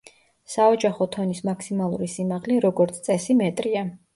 საოჯახო თონის მაქსიმალური სიმაღლე, როგორც წესი, მეტრია.